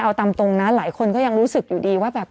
เอาตามตรงนะหลายคนก็ยังรู้สึกอยู่ดีว่าแบบ